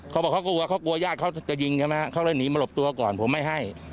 เขาบอกว่าเขากลัวไย่่าดเขาจะยิงใช่มั้ยเขาก็หนีมาหลบตัวก่อนผมไม่ให้